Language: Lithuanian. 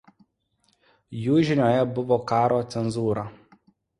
Jų žinioje buvo karo cenzūra.